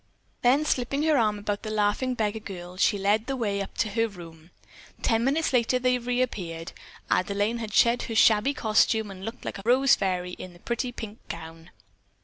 Then slipping her arm about the laughing beggar girl, she led the way up to her room. Ten minutes later they reappeared. Adelaine had shed her shabby costume and looked like a rose fairy in a pretty pink gown.